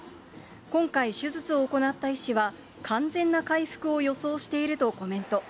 今回、手術を行った医師は、完全な回復を予想しているとコメント。